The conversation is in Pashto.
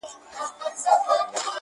نور مي له ورځي څـخــه بـــد راځـــــــي_